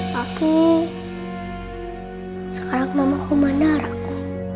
tapi sekarang mama kumanar aku